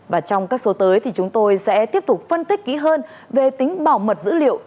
và trong các số tới thì chúng tôi sẽ tiếp tục phân tích kỹ hơn về tính bảo mật dữ liệu